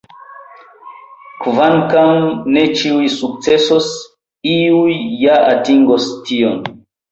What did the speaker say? Kvankam ne ĉiuj sukcesos, iuj ja atingos tion.